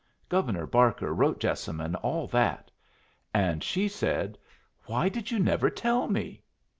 Governor Barker wrote Jessamine all that; and she said, 'Why did you never tell me?'